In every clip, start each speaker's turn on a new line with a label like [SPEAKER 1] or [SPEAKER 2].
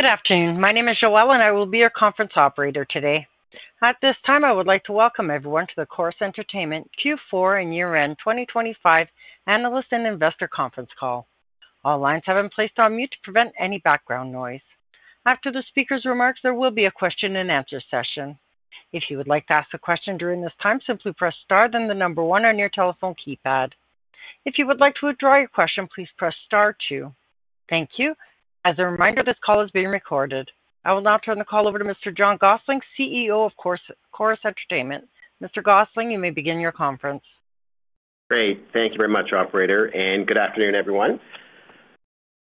[SPEAKER 1] Good afternoon. My name is Joelle, and I will be your conference operator today. At this time, I would like to welcome everyone to the Corus Entertainment Q4 and Year End 2025 Analyst and Investor Conference Call. All lines have been placed on mute to prevent any background noise. After the speaker's remarks, there will be a question-and-answer session. If you would like to ask a question during this time, simply press star then the number one on your telephone keypad. If you would like to withdraw your question, please press star two. Thank you. As a reminder, this call is being recorded. I will now turn the call over to Mr. John Gossling, CEO of Corus Entertainment. Mr. Gossling, you may begin your conference.
[SPEAKER 2] Great. Thank you very much, Operator, and good afternoon, everyone.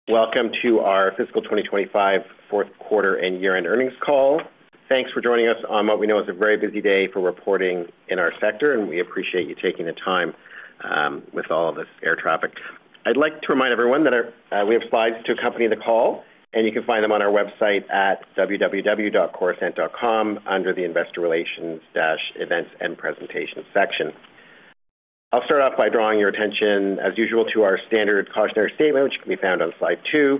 [SPEAKER 2] Welcome to our fiscal 2025 fourth quarter and year-end earnings call. Thanks for joining us on what we know is a very busy day for reporting in our sector, and we appreciate you taking the time. With all of this air traffic, I'd like to remind everyone that we have slides to accompany the call, and you can find them on our website at www.corusent.com under the Investor Relations - Events and Presentations section. I'll start off by drawing your attention, as usual, to our standard cautionary statement, which can be found on slide two.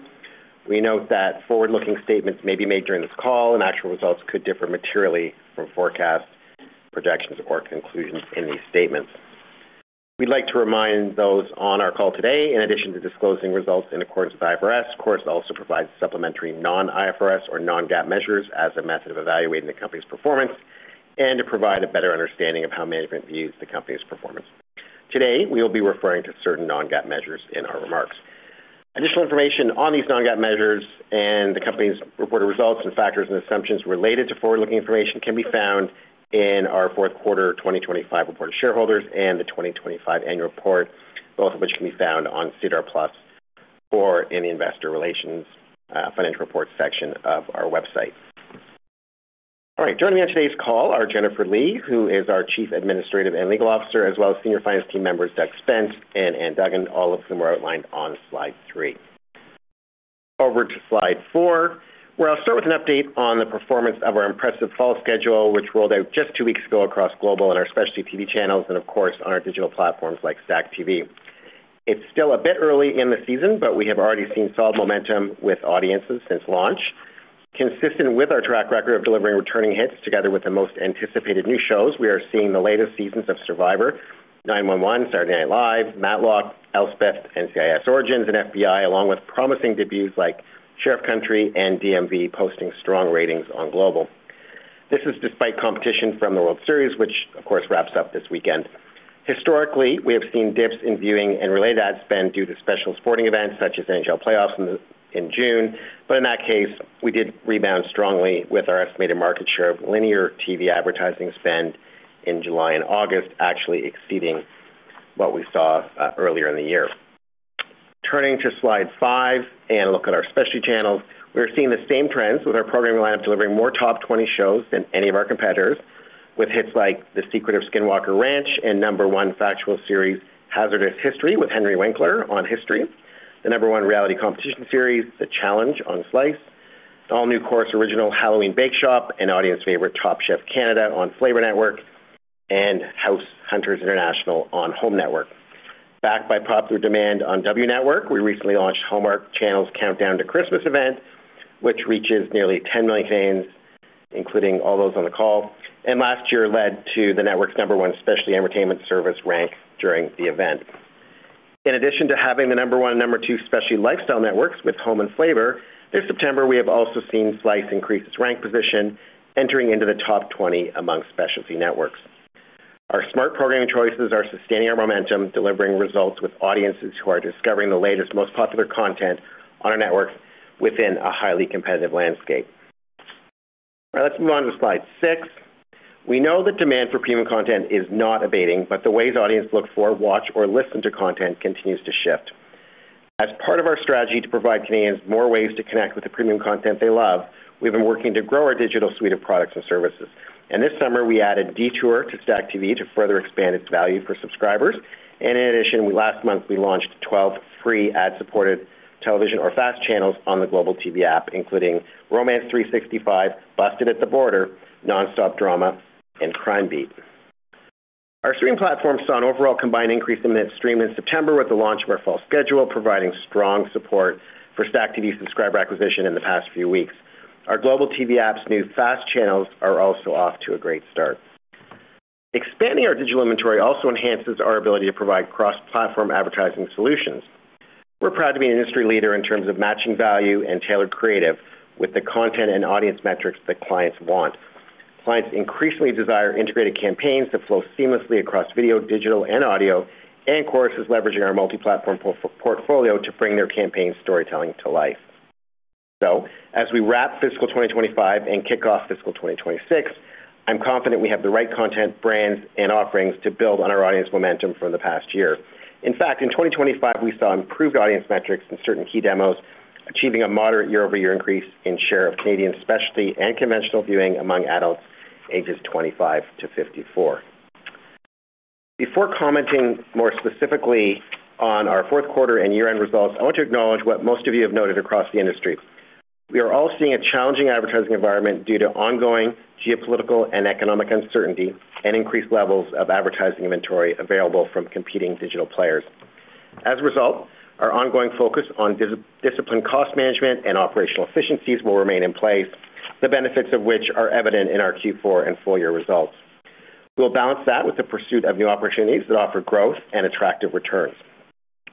[SPEAKER 2] We note that forward-looking statements may be made during this call, and actual results could differ materially from forecasts, projections, or conclusions in these statements. We'd like to remind those on our call today, in addition to disclosing results in accordance with IFRS, Corus also provides supplementary non-IFRS or non-GAAP measures as a method of evaluating the company's performance and to provide a better understanding of how management views the company's performance. Today, we will be referring to certain non-GAAP measures in our remarks. Additional information on these non-GAAP measures and the company's reported results and factors and assumptions related to forward-looking information can be found in our fourth quarter 2025 reported shareholders and the 2025 annual report, both of which can be found on SEDAR+ or in the Investor Relations Financial Reports section of our website. All right. Joining me on today's call are Jennifer Lee, who is our Chief Administrative and Legal Officer, as well as Senior Finance Team members Doug Spence and Ann Duggan. All of them are outlined on slide three. Over to slide four, where I'll start with an update on the performance of our impressive fall schedule, which rolled out just two weeks ago across Global and our Specialty TV channels and, of course, on our digital platforms like STACKTV. It's still a bit early in the season, but we have already seen solid momentum with audiences since launch. Consistent with our track record of delivering returning hits together with the most anticipated new shows, we are seeing the latest seasons of Survivor, 9-1-1, Saturday Night Live, Matlock, Elsbeth, NCIS: Origins, and FBI, along with promising debuts like Sheriff Country and DMV, posting strong ratings on Global. This is despite competition from the World Series, which, of course, wraps up this weekend. Historically, we have seen dips in viewing and related ad spend due to special sporting events such as the NHL playoffs in June, but in that case, we did rebound strongly with our estimated market share of linear TV advertising spend in July and August actually exceeding what we saw earlier in the year. Turning to slide five and a look at our Specialty channels, we're seeing the same trends with our programming lineup delivering more top 20 shows than any of our competitors, with hits like The Secret of Skinwalker Ranch and number one factual series Hazardous History with Henry Winkler on History, the number one reality competition series The Challenge on Slice. All-new Corus Original Halloween Bake Shop and audience-favorite Top Chef Canada on Flavour Network and House Hunters International on Home Network. Backed by popular demand on W Network, we recently launched Hallmark Channel's Countdown to Christmas event, which reaches nearly 10 million fans, including all those on the call, and last year led to the network's number one Specialty entertainment service rank during the event. In addition to having the number one and number two Specialty lifestyle networks with Home and Flavour, this September, we have also seen Slice increase its rank position, entering into the top 20 among Specialty Networks. Our smart programming choices are sustaining our momentum, delivering results with audiences who are discovering the latest, most popular content on our networks within a highly competitive landscape. All right. Let's move on to slide six. We know that demand for premium content is not abating, but the ways audiences look for, watch, or listen to content continues to shift. As part of our strategy to provide Canadians more ways to connect with the premium content they love, we've been working to grow our digital suite of products and services. This summer, we added DTour to STACKTV to further expand its value for subscribers. In addition, last month, we launched 12 free ad-supported television or FAST channels on the Global TV app, including Romance 365, Busted at the Border, Nonstop Drama, and Crime Beat. Our streaming platform saw an overall combined increase in minutes streamed in September with the launch of our fall schedule, providing strong support for STACKTV subscriber acquisition in the past few weeks. Our Global TV app's new FAST channels are also off to a great start. Expanding our digital inventory also enhances our ability to provide cross-platform advertising solutions. We're proud to be an industry leader in terms of matching value and tailored creative with the content and audience metrics that clients want. Clients increasingly desire integrated campaigns that flow seamlessly across video, digital, and audio, and Corus is leveraging our multi-platform portfolio to bring their campaign storytelling to life. As we wrap fiscal 2025 and kick off fiscal 2026, I'm confident we have the right content, brands, and offerings to build on our audience momentum from the past year. In fact, in 2025, we saw improved audience metrics in certain key demos, achieving a moderate year-over-year increase in share of Canadian Specialty and Conventional viewing among adults ages 25-54. Before commenting more specifically on our fourth quarter and year-end results, I want to acknowledge what most of you have noted across the industry. We are all seeing a challenging advertising environment due to ongoing geopolitical and economic uncertainty and increased levels of advertising inventory available from competing digital players. As a result, our ongoing focus on disciplined cost management and operational efficiencies will remain in place, the benefits of which are evident in our Q4 and full-year results. We'll balance that with the pursuit of new opportunities that offer growth and attractive returns.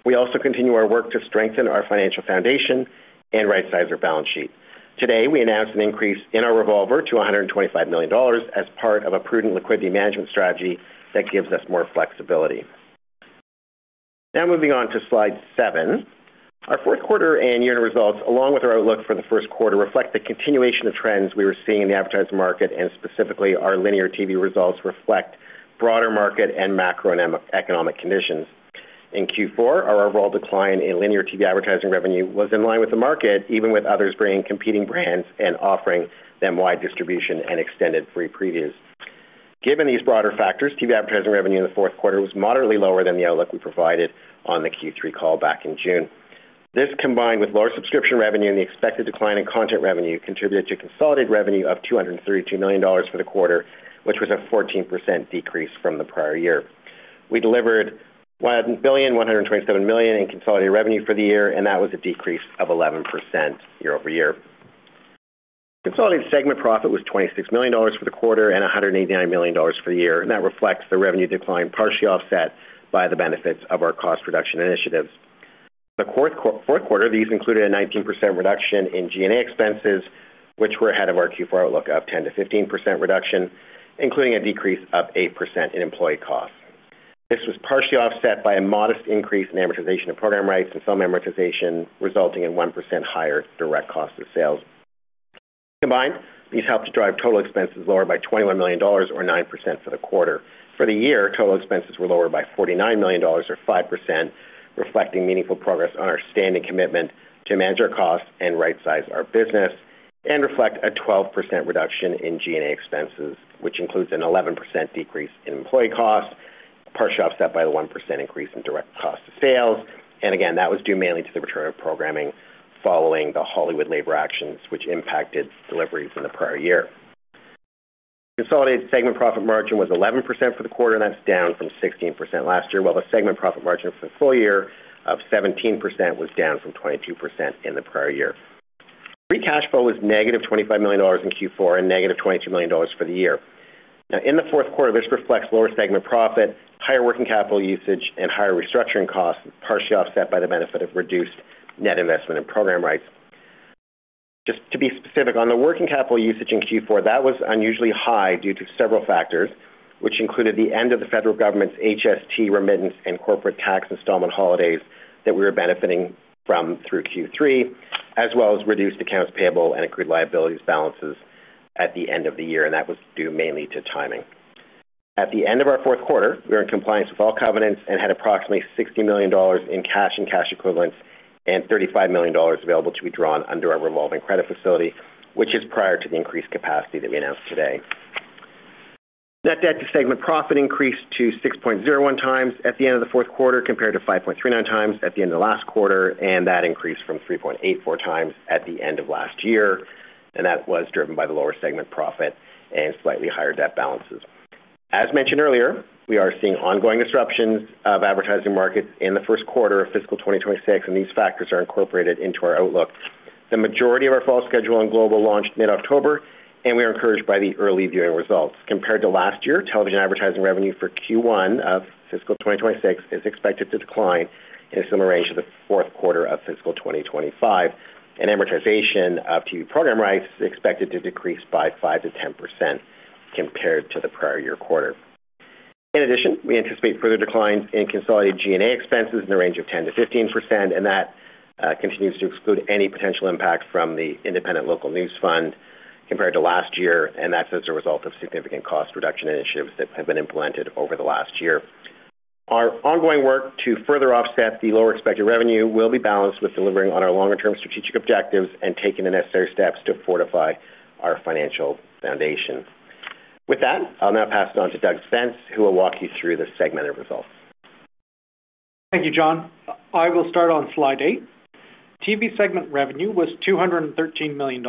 [SPEAKER 2] We also continue our work to strengthen our financial foundation and right-size our balance sheet. Today, we announced an increase in our revolver to $125 million as part of a prudent liquidity management strategy that gives us more flexibility. Now, moving on to slide seven, our fourth quarter and year-end results, along with our outlook for the first quarter, reflect the continuation of trends we were seeing in the advertising market, and specifically, our linear TV results reflect broader market and macroeconomic conditions. In Q4, our overall decline in linear TV advertising revenue was in line with the market, even with others bringing competing brands and offering them wide distribution and extended free previews. Given these broader factors, TV advertising revenue in the fourth quarter was moderately lower than the outlook we provided on the Q3 call back in June. This, combined with lower subscription revenue and the expected decline in content revenue, contributed to consolidated revenue of $232 million for the quarter, which was a 14% decrease from the prior year. We delivered $1,127 million in consolidated revenue for the year, and that was a decrease of 11% year-over-year. Consolidated segment profit was $26 million for the quarter and $189 million for the year, and that reflects the revenue decline partially offset by the benefits of our cost reduction initiatives. In the fourth quarter, these included a 19% reduction in G&A expenses, which were ahead of our Q4 outlook of 10%-15% reduction, including a decrease of 8% in employee costs. This was partially offset by a modest increase in amortization of program rights and some amortization, resulting in 1% higher direct cost of sales. Combined, these helped to drive total expenses lower by $21 million, or 9% for the quarter. For the year, total expenses were lower by $49 million, or 5%, reflecting meaningful progress on our standing commitment to manage our costs and right-size our business, and reflect a 12% reduction in G&A expenses, which includes an 11% decrease in employee costs, partially offset by the 1% increase in direct cost of sales. That was due mainly to the return of programming following the Hollywood labor actions, which impacted deliveries in the prior year. Consolidated segment profit margin was 11% for the quarter, and that's down from 16% last year, while the segment profit margin for the full year of 17% was down from 22% in the prior year. Free cash flow was -$25 million in Q4 and -$22 million for the year. In the fourth quarter, this reflects lower segment profit, higher working capital usage, and higher restructuring costs, partially offset by the benefit of reduced net investment in program rights. To be specific, on the working capital usage in Q4, that was unusually high due to several factors, which included the end of the federal government's HST remittance and corporate tax installment holidays that we were benefiting from through Q3, as well as reduced accounts payable and accrued liabilities balances at the end of the year, and that was due mainly to timing. At the end of our fourth quarter, we were in compliance with all covenants and had approximately $60 million in cash and cash equivalents and $35 million available to be drawn under our revolving credit facility, which is prior to the increased capacity that we announced today. Net debt to segment profit increased to 6.01x at the end of the fourth quarter compared to 5.39x at the end of the last quarter, and that increased from 3.84x at the end of last year, and that was driven by the lower segment profit and slightly higher debt balances. As mentioned earlier, we are seeing ongoing disruptions of advertising markets in the first quarter of fiscal 2026, and these factors are incorporated into our outlook. The majority of our fall schedule and Global launched mid-October, and we are encouraged by the early viewing results. Compared to last year, television advertising revenue for Q1 of fiscal 2026 is expected to decline in a similar range to the fourth quarter of fiscal 2025. Amortization of TV program rights is expected to decrease by 5%-10% compared to the prior year quarter. In addition, we anticipate further declines in consolidated G&A expenses in the range of 10%-15%, and that continues to exclude any potential impact from the Independent Local News Fund compared to last year, and that's as a result of significant cost reduction initiatives that have been implemented over the last year. Our ongoing work to further offset the lower expected revenue will be balanced with delivering on our longer-term strategic objectives and taking the necessary steps to fortify our financial foundation. With that, I'll now pass it on to Doug Spence, who will walk you through the segmented results.
[SPEAKER 3] Thank you, John. I will start on slide eight. TV segment revenue was $213 million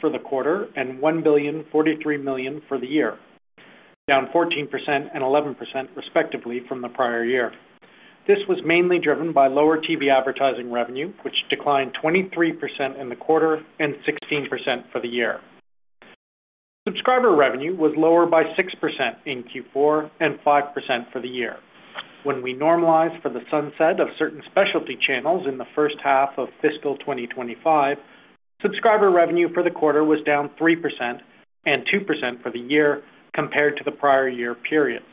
[SPEAKER 3] for the quarter and $1,043 million for the year, down 14% and 11% respectively from the prior year. This was mainly driven by lower TV advertising revenue, which declined 23% in the quarter and 16% for the year. Subscriber revenue was lower by 6% in Q4 and 5% for the year. When we normalize for the sunset of certain Specialty channels in the first half of fiscal 2025, subscriber revenue for the quarter was down 3% and 2% for the year compared to the prior year periods.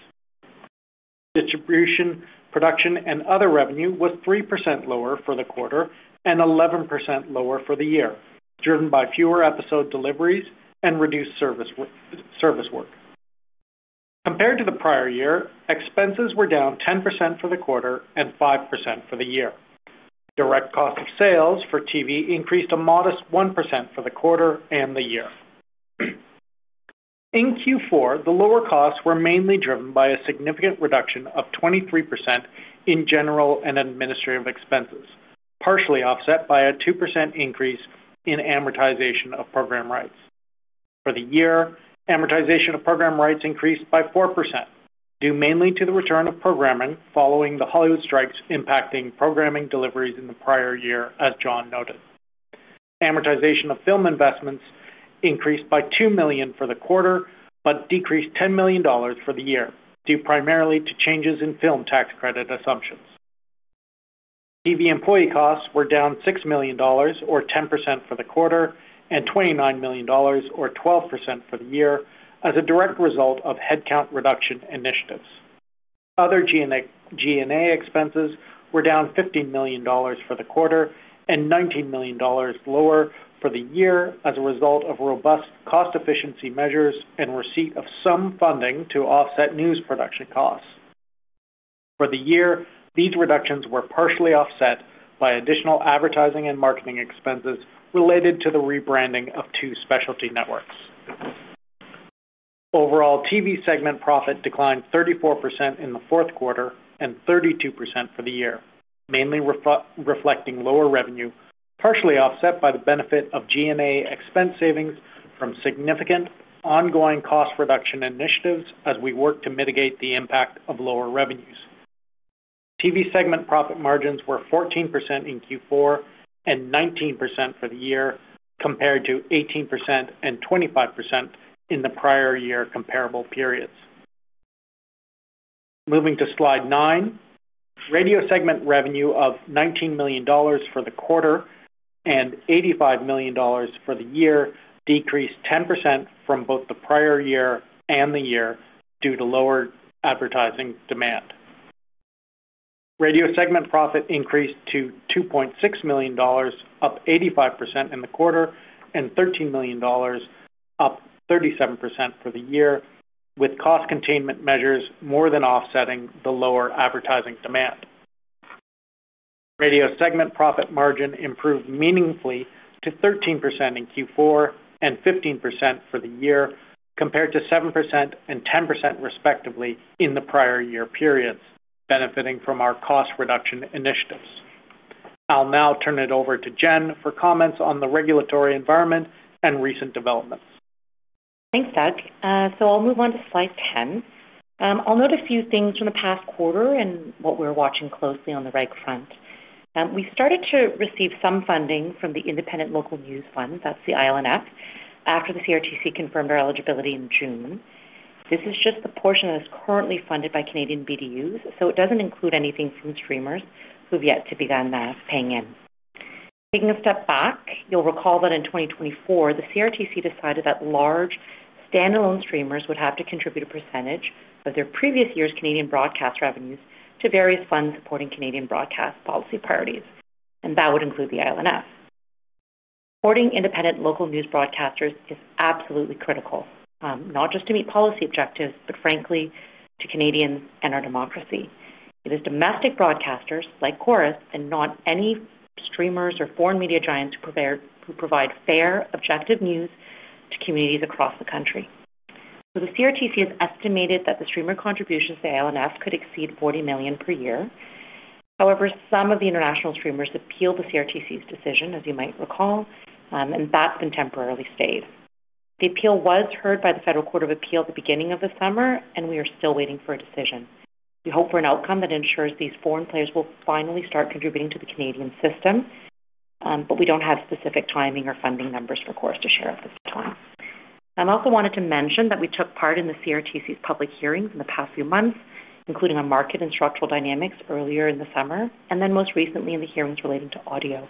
[SPEAKER 3] Distribution, production, and other revenue was 3% lower for the quarter and 11% lower for the year, driven by fewer episode deliveries and reduced service work. Compared to the prior year, expenses were down 10% for the quarter and 5% for the year. Direct cost of sales for TV increased a modest 1% for the quarter and the year. In Q4, the lower costs were mainly driven by a significant reduction of 23% in general and administrative expenses, partially offset by a 2% increase in amortization of program rights. For the year, amortization of program rights increased by 4%, due mainly to the return of programming following the Hollywood strikes impacting programming deliveries in the prior year, as John noted. Amortization of film investments increased by $2 million for the quarter but decreased $10 million for the year, due primarily to changes in film tax credit assumptions. TV employee costs were down $6 million, or 10% for the quarter, and $29 million, or 12% for the year, as a direct result of headcount reduction initiatives. Other G&A expenses were down $15 million for the quarter and $19 million lower for the year as a result of robust cost-efficiency measures and receipt of some funding to offset news production costs. For the year, these reductions were partially offset by additional advertising and marketing expenses related to the rebranding of two Specialty Networks. Overall, TV segment profit declined 34% in the fourth quarter and 32% for the year, mainly reflecting lower revenue, partially offset by the benefit of G&A expense savings from significant ongoing cost reduction initiatives as we work to mitigate the impact of lower revenues. TV segment profit margins were 14% in Q4 and 19% for the year, compared to 18% and 25% in the prior year comparable periods. Moving to slide nine, Radio segment revenue of $19 million for the quarter and $85 million for the year decreased 10% from both the prior year and the year due to lower advertising demand. Radio segment profit increased to $2.6 million, up 85% in the quarter, and $13 million, up 37% for the year, with cost containment measures more than offsetting the lower advertising demand. Radio segment profit margin improved meaningfully to 13% in Q4 and 15% for the year, compared to 7% and 10% respectively in the prior year periods, benefiting from our cost reduction initiatives. I'll now turn it over to Jen for comments on the regulatory environment and recent developments.
[SPEAKER 4] Thanks, Doug. I'll move on to slide 10. I'll note a few things from the past quarter and what we're watching closely on the regulatory front. We started to receive some funding from the Independent Local News Fund, that's the ILNF, after the CRTC confirmed our eligibility in June. This is just the portion that is currently funded by Canadian BDUs, so it doesn't include anything from streamers who have yet to begin paying in. Taking a step back, you'll recall that in 2024, the CRTC decided that large standalone streamers would have to contribute a percentage of their previous year's Canadian broadcast revenues to various funds supporting Canadian broadcast policy priorities, and that would include the ILNF. Supporting independent local news broadcasters is absolutely critical, not just to meet policy objectives, but frankly, to Canadians and our democracy. It is domestic broadcasters, like Corus, and not any streamers or foreign media giants who provide fair, objective news to communities across the country. The CRTC has estimated that the streamer contributions to the ILNF could exceed $40 million per year. However, some of the international streamers appealed the CRTC's decision, as you might recall, and that's been temporarily stayed. The appeal was heard by the Federal Court of Appeal at the beginning of the summer, and we are still waiting for a decision. We hope for an outcome that ensures these foreign players will finally start contributing to the Canadian system, but we don't have specific timing or funding numbers for Corus to share at this time. I also wanted to mention that we took part in the CRTC's public hearings in the past few months, including on market and structural dynamics earlier in the summer, and then most recently in the hearings relating to audio.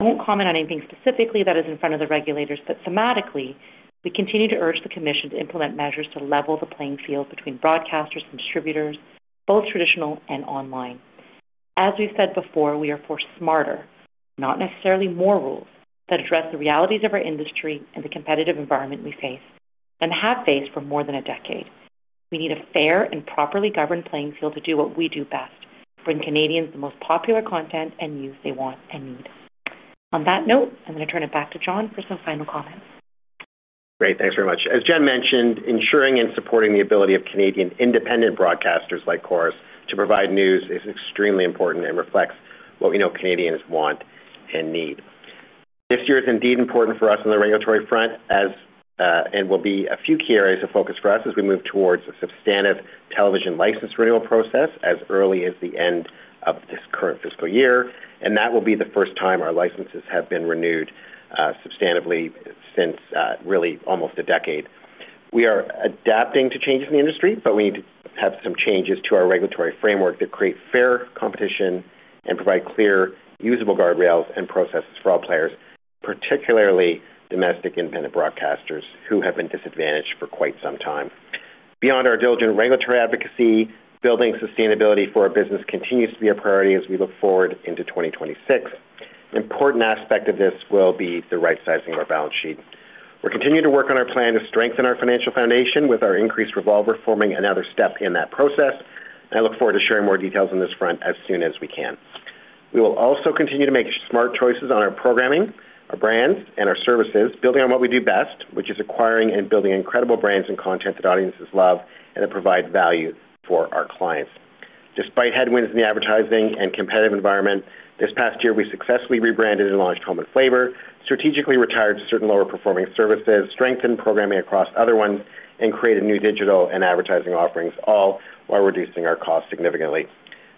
[SPEAKER 4] I won't comment on anything specifically that is in front of the regulators, but thematically, we continue to urge the Commission to implement measures to level the playing field between broadcasters and distributors, both traditional and online. As we've said before, we are for smarter, not necessarily more rules, that address the realities of our industry and the competitive environment we face and have faced for more than a decade. We need a fair and properly governed playing field to do what we do best: bring Canadians the most popular content and news they want and need. On that note, I'm going to turn it back to John for some final comments.
[SPEAKER 2] Great. Thanks very much. As Jen mentioned, ensuring and supporting the ability of Canadian independent broadcasters like Corus to provide news is extremely important and reflects what we know Canadians want and need. This year is indeed important for us on the regulatory front, and there will be a few key areas of focus for us as we move towards a substantive television license renewal process as early as the end of this current fiscal year, and that will be the first time our licenses have been renewed substantively since really almost a decade. We are adapting to changes in the industry, but we need to have some changes to our regulatory framework to create fair competition and provide clear, usable guardrails and processes for all players, particularly domestic independent broadcasters who have been disadvantaged for quite some time. Beyond our diligent regulatory advocacy, building sustainability for our business continues to be a priority as we look forward into 2026. An important aspect of this will be the right-sizing of our balance sheet. We're continuing to work on our plan to strengthen our financial foundation with our increased revolver forming another step in that process, and I look forward to sharing more details on this front as soon as we can. We will also continue to make smart choices on our programming, our brands, and our services, building on what we do best, which is acquiring and building incredible brands and content that audiences love and that provide value for our clients. Despite headwinds in the advertising and competitive environment, this past year, we successfully rebranded and launched Home and Flavour, strategically retired certain lower-performing services, strengthened programming across other ones, and created new digital and advertising offerings, all while reducing our cost significantly.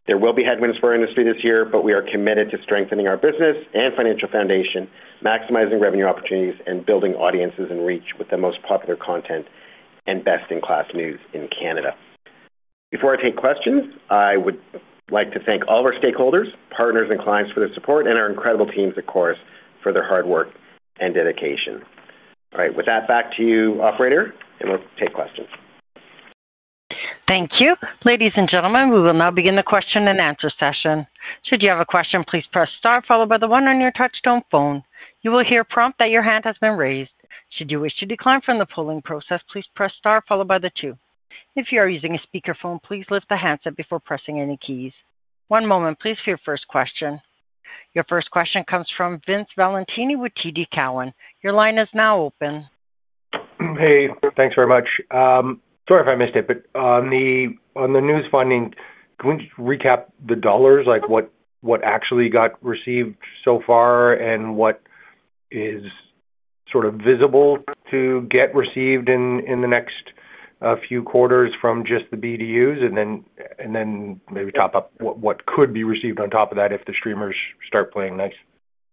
[SPEAKER 2] There will be headwinds for our industry this year, but we are committed to strengthening our business and financial foundation, maximizing revenue opportunities, and building audiences and reach with the most popular content and best-in-class news in Canada. Before I take questions, I would like to thank all of our stakeholders, partners, and clients for their support and our incredible teams, of course, for their hard work and dedication. All right. With that, back to you, Operator, and we'll take questions.
[SPEAKER 1] Thank you. Ladies and gentlemen, we will now begin the question-and-answer session. Should you have a question, please press star followed by the one on your touchstone phone. You will hear a prompt that your hand has been raised. Should you wish to decline from the polling process, please press star followed by the two. If you are using a speakerphone, please lift the handset before pressing any keys. One moment, please, for your first question. Your first question comes from Vince Valentini with TD Cowen. Your line is now open.
[SPEAKER 5] Hey. Thanks very much. Sorry if I missed it, but on the news funding, can we recap the dollars, like what actually got received so far and what is sort of visible to get received in the next few quarters from just the BDUs? Maybe top up what could be received on top of that if the streamers start playing nice?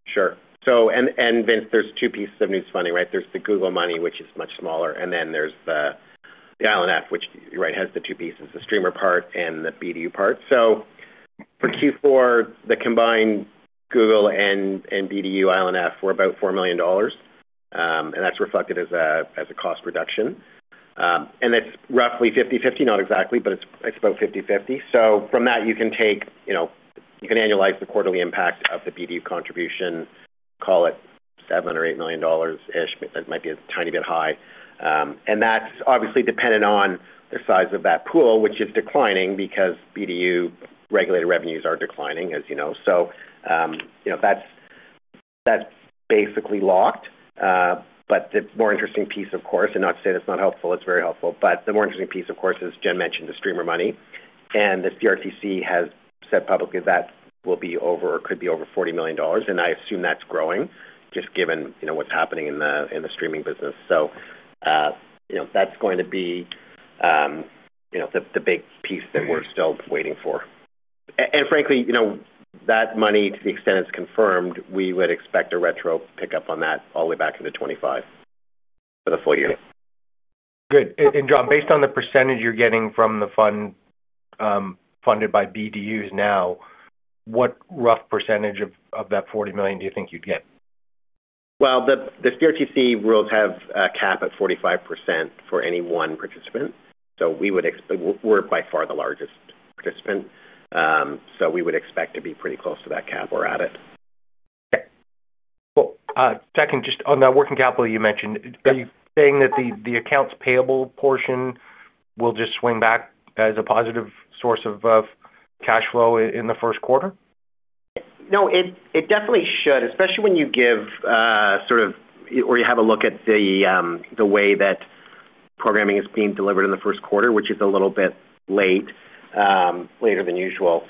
[SPEAKER 2] Sure. Vince, there's two pieces of news funding, right? There's the Google money, which is much smaller, and then there's the ILNF, which has the two pieces, the streamer part and the BDU part. For Q4, the combined Google and BDU ILNF were about $4 million. That's reflected as a cost reduction. It's roughly 50/50, not exactly, but it's about 50/50. From that, you can annualize the quarterly impact of the BDU contribution, call it $7 or $8 million-ish. It might be a tiny bit high. That's obviously dependent on the size of that pool, which is declining because BDU regulated revenues are declining, as you know. That's basically locked. The more interesting piece, of course, and not to say that's not helpful, it's very helpful, but the more interesting piece is Jen mentioned the streamer money. The CRTC has said publicly that will be over or could be over $40 million, and I assume that's growing just given what's happening in the streaming business. That's going to be the big piece that we're still waiting for. Frankly, that money, to the extent it's confirmed, we would expect a retro pickup on that all the way back into 2025 for the full year.
[SPEAKER 5] Good. John, based on the percentage you're getting from the fund funded by BDUs now, what rough percentage of that $40 million do you think you'd get?
[SPEAKER 2] The CRTC rules have a cap at 45% for any one participant. We're by far the largest participant, so we would expect to be pretty close to that cap. We're at it.
[SPEAKER 5] Okay. Cool. Second, just on the working capital, you mentioned, are you saying that the accounts payable portion will just swing back as a positive source of. Cash flow in the first quarter?
[SPEAKER 2] No, it definitely should, especially when you give sort of or you have a look at the way that programming is being delivered in the first quarter, which is a little bit late, later than usual,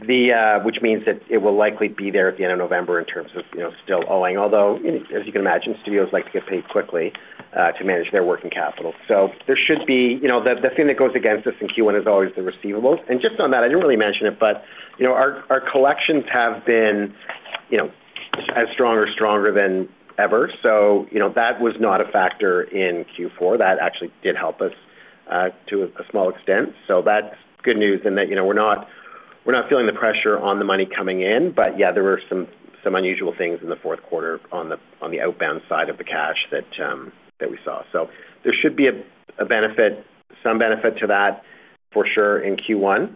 [SPEAKER 2] which means that it will likely be there at the end of November in terms of still owing. Although, as you can imagine, studios like to get paid quickly to manage their working capital. There should be the thing that goes against us in Q1 is always the receivables. Just on that, I didn't really mention it, but our collections have been as strong or stronger than ever. That was not a factor in Q4. That actually did help us to a small extent. That's good news in that we're not feeling the pressure on the money coming in. There were some unusual things in the fourth quarter on the outbound side of the cash that we saw. There should be some benefit to that for sure in Q1.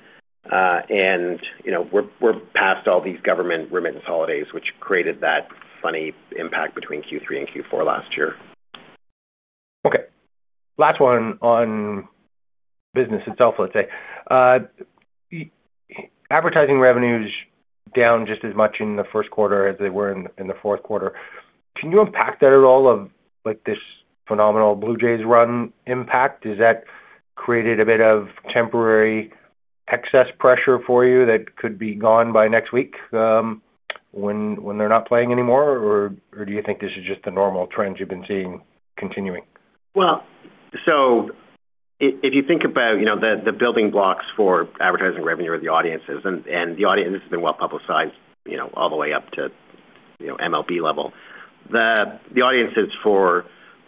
[SPEAKER 2] We're past all these government remittance holidays, which created that funny impact between Q3 and Q4 last year.
[SPEAKER 5] Last one on business itself, let's say. Advertising revenues down just as much in the first quarter as they were in the fourth quarter. Can you unpack that at all of this phenomenal Blue Jays run impact? Has that created a bit of temporary excess pressure for you that could be gone by next week when they're not playing anymore, or do you think this is just a normal trend you've been seeing continuing?
[SPEAKER 2] If you think about the building blocks for advertising revenue or the audiences, and the audience has been well publicized all the way up to MLB level, the audiences for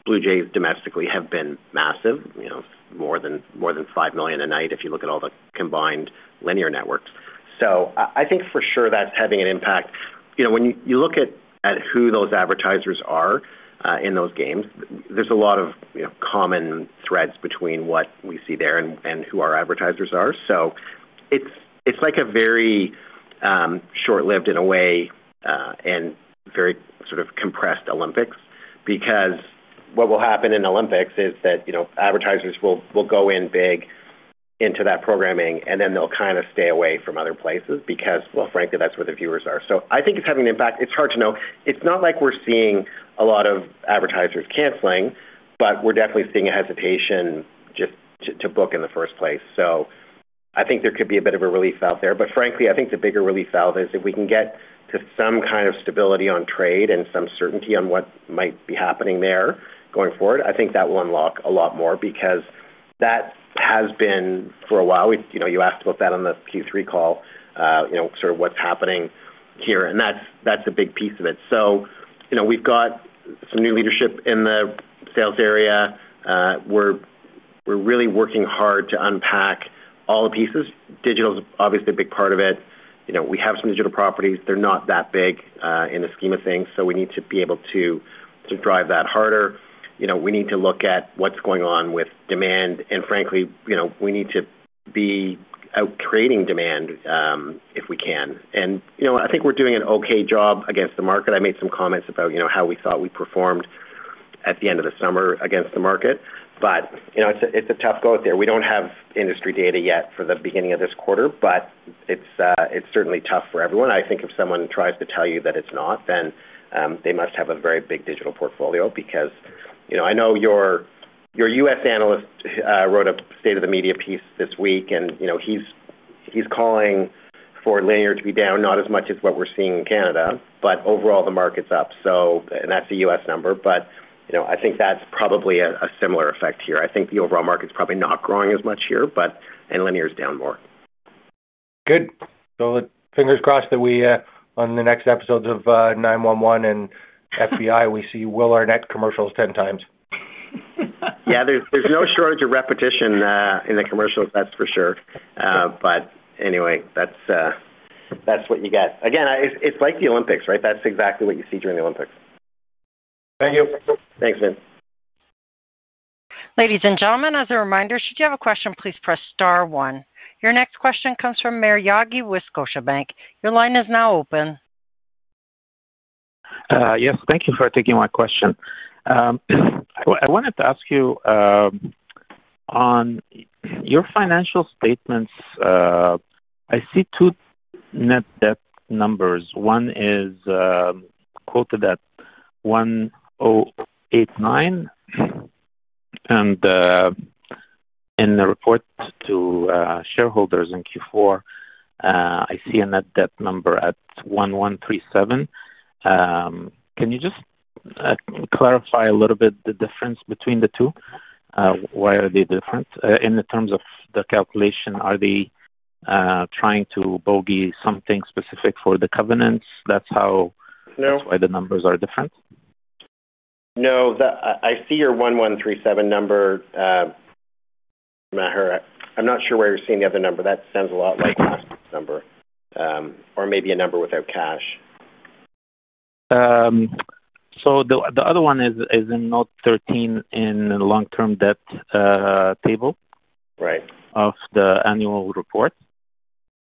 [SPEAKER 2] Blue Jays domestically have been massive, more than 5 million a night if you look at all the combined linear networks. I think for sure that's having an impact. When you look at who those advertisers are in those games, there's a lot of common threads between what we see there and who our advertisers are. It's like a very short-lived in a way, and very sort of compressed Olympics because what will happen in Olympics is that advertisers will go in big into that programming, and then they'll kind of stay away from other places because, frankly, that's where the viewers are. I think it's having an impact. It's hard to know. It's not like we're seeing a lot of advertisers canceling, but we're definitely seeing a hesitation just to book in the first place. I think there could be a bit of a relief out there. Frankly, I think the bigger relief out there is if we can get to some kind of stability on trade and some certainty on what might be happening there going forward. I think that will unlock a lot more because that has been for a while. You asked about that on the Q3 call, sort of what's happening here, and that's a big piece of it. We've got some new leadership in the sales area. We're really working hard to unpack all the pieces. Digital is obviously a big part of it. We have some digital properties. They're not that big in the scheme of things, so we need to be able to drive that harder. We need to look at what's going on with demand, and frankly, we need to be out creating demand if we can. I think we're doing an okay job against the market. I made some comments about how we thought we performed at the end of the summer against the market, but it's a tough go out there. We don't have industry data yet for the beginning of this quarter, but it's certainly tough for everyone. I think if someone tries to tell you that it's not, then they must have a very big digital portfolio because I know your U.S. analyst wrote a state-of-the-media piece this week, and he's calling for linear to be down, not as much as what we're seeing in Canada, but overall, the market's up. That's a U.S. number, but I think that's probably a similar effect here. I think the overall market's probably not growing as much here, but linear is down more.
[SPEAKER 5] Fingers crossed that on the next episodes of 9-1-1 and FBI, we see Will Arnett commercials 10x.
[SPEAKER 2] There's no shortage of repetition in the commercials, that's for sure. That's what you get. It's like the Olympics, right? That's exactly what you see during the Olympics.
[SPEAKER 5] Thank you.
[SPEAKER 2] Thanks, Vin.
[SPEAKER 1] Ladies and gentlemen, as a reminder, should you have a question, please press star one. Your next question comes from Maher Yaghi with Scotiabank. Your line is now open.
[SPEAKER 6] Yes. Thank you for taking my question. I wanted to ask you, on your financial statements, I see two net debt numbers. One is quoted at $1,089, and in the report to shareholders in Q4, I see a net debt number at $1,137. Can you just clarify a little bit the difference between the two? Why are they different? In terms of the calculation, are they trying to bogey something specific for the covenants? That's why the numbers are different?
[SPEAKER 2] No. I see your $1,137 number. I'm not sure where you're seeing the other number. That sounds a lot like last year's number, or maybe a number without cash.
[SPEAKER 6] The other one is in note 13 in the long-term debt table of the annual report,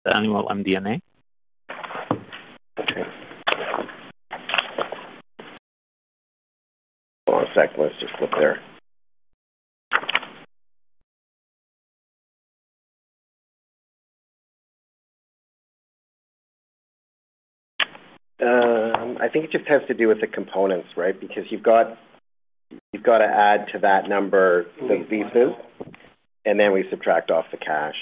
[SPEAKER 6] the annual MD&A.
[SPEAKER 2] Okay, hold on a sec. Let's just flip there. I think it just has to do with the components, right? Because you've got to add to that number the leases, and then we subtract off the cash.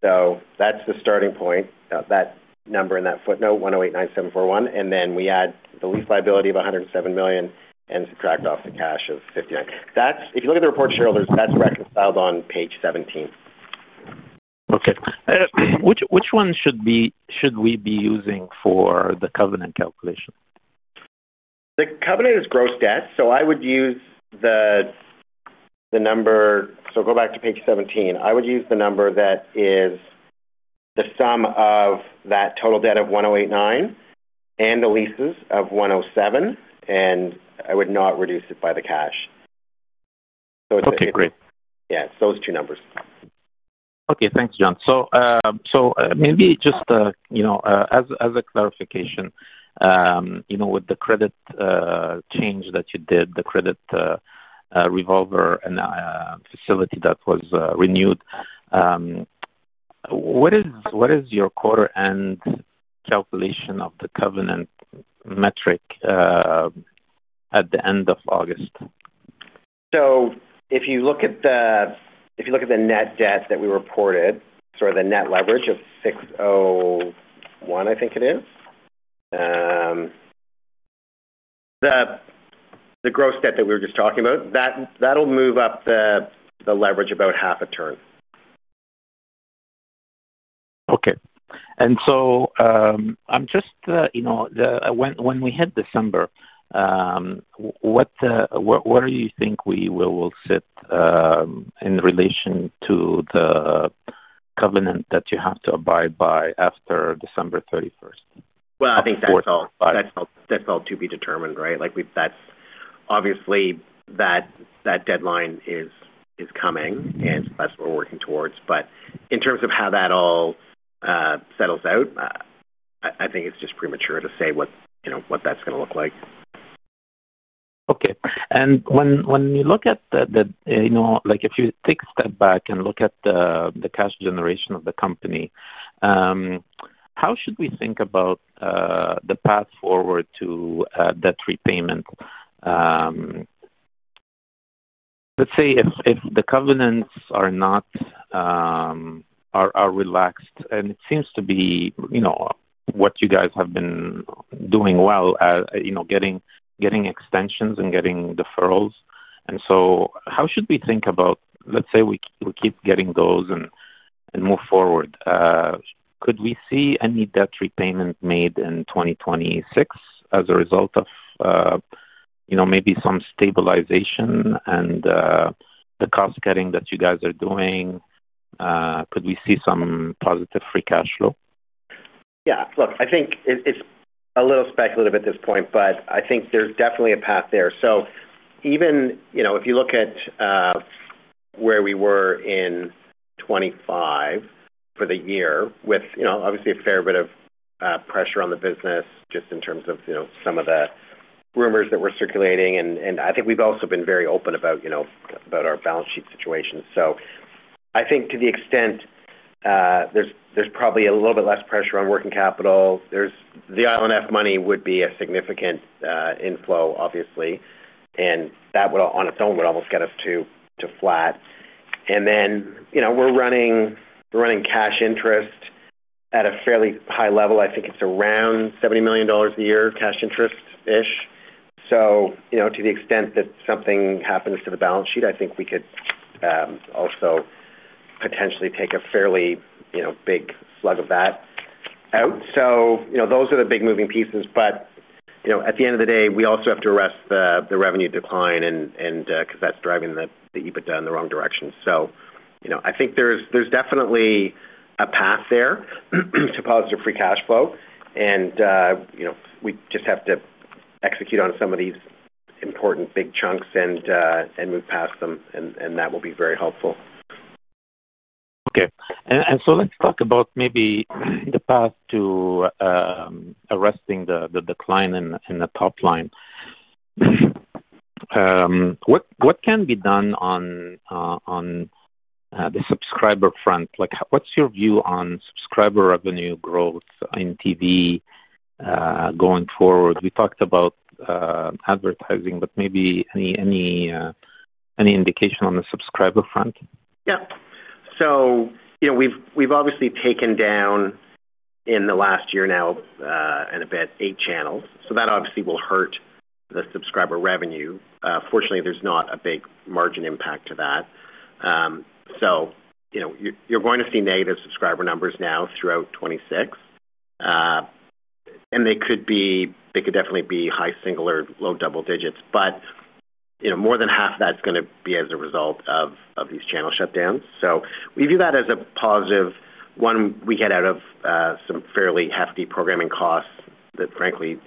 [SPEAKER 2] That's the starting point, that number in that footnote, $1,089 million, and then we add the lease liability of $107 million and subtract off the cash of $59 million. If you look at the report to shareholders, that's reconciled on page 17.
[SPEAKER 6] Okay, which one should we be using for the covenant calculation?
[SPEAKER 2] The covenant is gross debt, so I would use the number. Go back to page 17. I would use the number that is the sum of that total debt of $1,089 million and the leases of $107 million, and I would not reduce it by the cash. It's a different—
[SPEAKER 6] Okay, great.
[SPEAKER 2] Yeah, it's those two numbers.
[SPEAKER 6] Okay, thanks, John. Maybe just as a clarification, with the credit change that you did, the credit revolver and facility that was renewed, what is your quarter-end calculation of the covenant metric at the end of August?
[SPEAKER 2] If you look at the net debt that we reported, sort of the net leverage of 6.01, I think it is, the gross debt that we were just talking about, that'll move up the leverage about half a turn.
[SPEAKER 6] I'm just—when we hit December, where do you think we will sit in relation to the covenant that you have to abide by after December 31st, 2024?
[SPEAKER 2] That deadline is coming, and that's what we're working towards. In terms of how that all settles out, I think it's just premature to say what that's going to look like.
[SPEAKER 6] If you take a step back and look at the cash generation of the company, how should we think about the path forward to debt repayment? Let's say if the covenants are relaxed, and it seems to be what you guys have been doing well, getting extensions and getting deferrals, how should we think about, let's say we keep getting those and move forward? Could we see any debt repayment made in 2026 as a result of maybe some stabilization and the cost-cutting that you guys are doing? Could we see some positive free cash flow?
[SPEAKER 2] Yeah, I think it's a little speculative at this point, but I think there's definitely a path there. Even if you look at where we were in. 2025 for the year with obviously a fair bit of pressure on the business just in terms of some of the rumors that were circulating. I think we've also been very open about our balance sheet situation. To the extent, there's probably a little bit less pressure on working capital. The ILNF money would be a significant inflow, obviously, and that on its own would almost get us to flat. We're running cash interest at a fairly high level. I think it's around $70 million a year, cash interest-ish. To the extent that something happens to the balance sheet, we could also potentially take a fairly big slug of that out. Those are the big moving pieces. At the end of the day, we also have to arrest the revenue decline because that's driving the EBITDA in the wrong direction. I think there's definitely a path there to positive free cash flow, and we just have to execute on some of these important big chunks and move past them, and that will be very helpful.
[SPEAKER 6] Okay. Let's talk about maybe the path to arresting the decline in the top line. What can be done on the subscriber front? What's your view on subscriber revenue growth in TV going forward? We talked about advertising, but maybe any indication on the subscriber front?
[SPEAKER 2] Yeah. We've obviously taken down in the last year now and a bit eight channels. That obviously will hurt the subscriber revenue. Fortunately, there's not a big margin impact to that. You're going to see negative subscriber numbers now throughout 2026, and they could definitely be high single or low double digits. More than half of that's going to be as a result of these channel shutdowns. We view that as a positive when we get out of some fairly hefty programming costs that, frankly,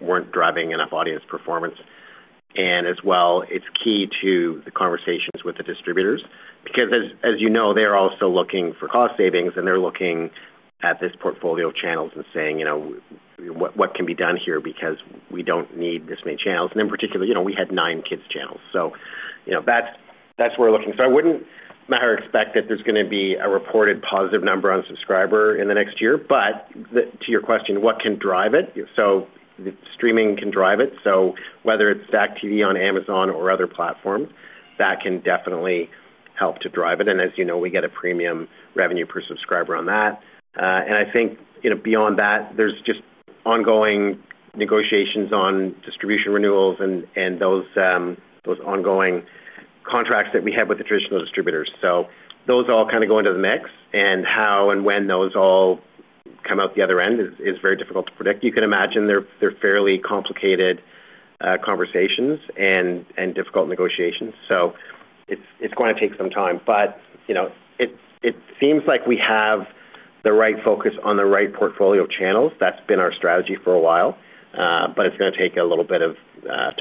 [SPEAKER 2] weren't driving enough audience performance. As well, it's key to the conversations with the distributors because, as you know, they're also looking for cost savings, and they're looking at this portfolio of channels and saying, "What can be done here because we don't need this many channels?" In particular, we had nine kids' channels. That's where we're looking. I wouldn't expect that there's going to be a reported positive number on subscriber in the next year. To your question, what can drive it? Streaming can drive it. Whether it's STACKTV on Amazon or other platforms, that can definitely help to drive it. As you know, we get a premium revenue per subscriber on that. I think beyond that, there's just ongoing negotiations on distribution renewals and those ongoing contracts that we have with the traditional distributors. Those all kind of go into the mix, and how and when those all come out the other end is very difficult to predict. You can imagine they're fairly complicated conversations and difficult negotiations. It's going to take some time. It seems like we have the right focus on the right portfolio channels. That's been our strategy for a while, but it's going to take a little bit of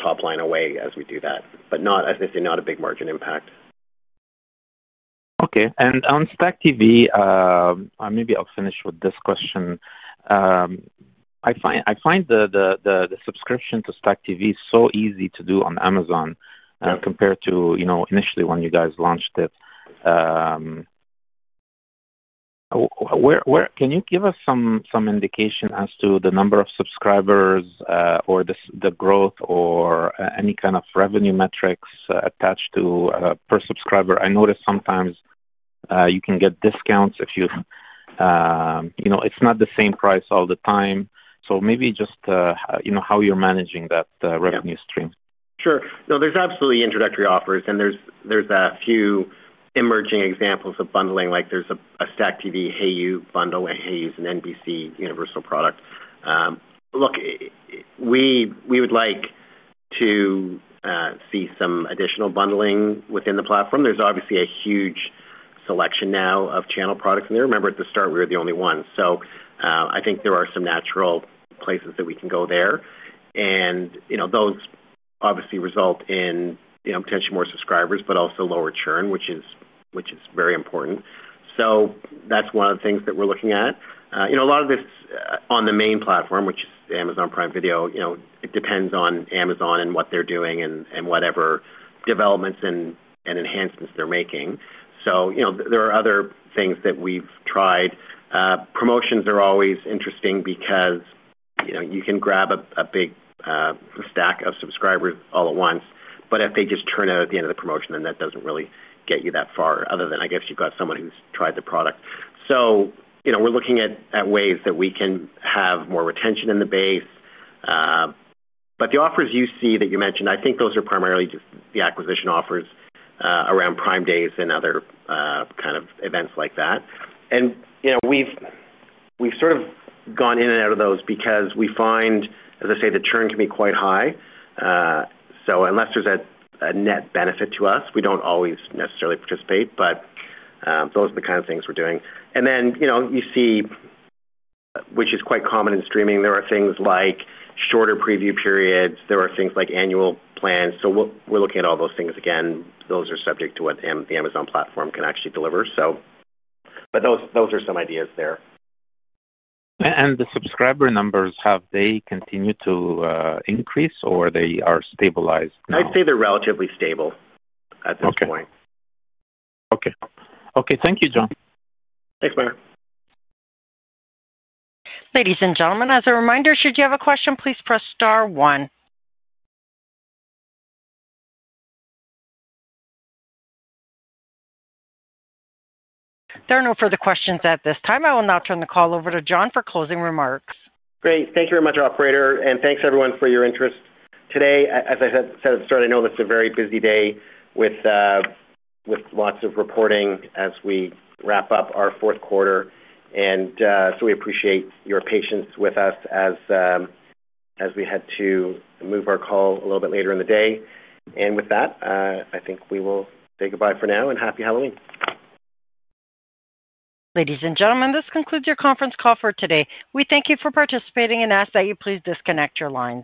[SPEAKER 2] top line away as we do that, but, as I say, not a big margin impact.
[SPEAKER 6] On STACKTV, maybe I'll finish with this question. I find the subscription to STACKTV so easy to do on Amazon compared to initially when you guys launched it. Can you give us some indication as to the number of subscribers or the growth or any kind of revenue metrics attached to per subscriber? I noticed sometimes you can get discounts if you've—it's not the same price all the time. Maybe just how you're managing that revenue stream.
[SPEAKER 2] Sure. No, there's absolutely introductory offers, and there's a few emerging examples of bundling. There's a STACKTV Hayu bundle, and Hayu's an NBCUniversal product. Look, we would like to see some additional bundling within the platform. There's obviously a huge selection now of channel products. Remember, at the start, we were the only one. I think there are some natural places that we can go there. Those obviously result in potentially more subscribers but also lower churn, which is very important. That's one of the things that we're looking at. A lot of this on the main platform, which is Amazon Prime Video, depends on Amazon and what they're doing and whatever developments and enhancements they're making. There are other things that we've tried. Promotions are always interesting because you can grab a big stack of subscribers all at once, but if they just turn out at the end of the promotion, then that doesn't really get you that far other than, I guess, you've got someone who's tried the product. We're looking at ways that we can have more retention in the base. The offers you see that you mentioned, I think those are primarily just the acquisition offers around Prime Days and other kind of events like that. We've sort of gone in and out of those because we find, as I say, the churn can be quite high. Unless there's a net benefit to us, we don't always necessarily participate. Those are the kind of things we're doing. You see, which is quite common in streaming, there are things like shorter preview periods and things like annual plans. We're looking at all those things again. Those are subject to what the Amazon platform can actually deliver. Those are some ideas there.
[SPEAKER 6] The subscriber numbers, have they continued to increase, or are they stabilized now?
[SPEAKER 2] I'd say they're relatively stable at this point.
[SPEAKER 6] Okay. Thank you, John.
[SPEAKER 2] Thanks, Maher.
[SPEAKER 1] Ladies and gentlemen, as a reminder, should you have a question, please press star one. There are no further questions at this time. I will now turn the call over to John for closing remarks.
[SPEAKER 2] Great. Thank you very much, operator, and thanks, everyone, for your interest today. As I said at the start, I know it's a very busy day with lots of reporting as we wrap up our fourth quarter. We appreciate your patience with us as we had to move our call a little bit later in the day. With that, I think we will say goodbye for now and happy Halloween.
[SPEAKER 1] Ladies and gentlemen, this concludes your conference call for today. We thank you for participating and ask that you please disconnect your lines.